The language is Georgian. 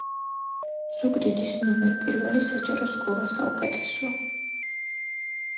ზუგდიდის ნომერ პირველი საჯარო სკოლა საუკეთესოა